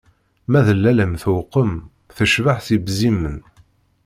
Ma d lalla-m tewqem, tecbeḥ s yebzimen.